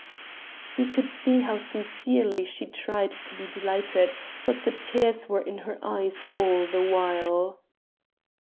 He could see how sincerely she tried to be delighted, but the tears were in her eyes all the while.